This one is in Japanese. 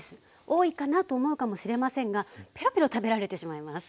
多いかなと思うかもしれませんがペロペロ食べられてしまいます。